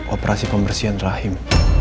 operasi komersian rahim